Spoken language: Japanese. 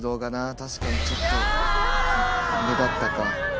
確かにちょっとあれだったか。